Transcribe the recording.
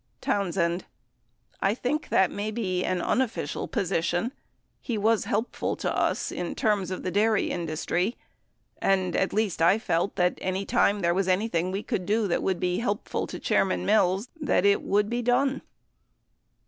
Townsend. ... I think that may be an unofficial posi tion ... he was helpful to us in terms of the dairy industry, and, at least I felt that any time there was anything we could do that would be helpful to Chairman Mills, that it would be done.